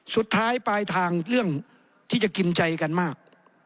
สุดท้ายปลายทางเรื่องที่จะกินใจกันมาก